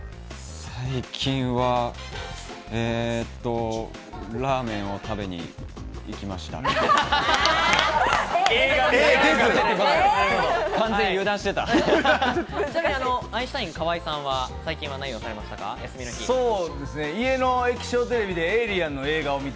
最近はラーメンを食べに行きました。